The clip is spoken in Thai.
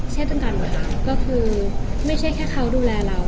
เช่นต้องการค่ะก็คือไม่ใช่แค่เขาดูแลเรา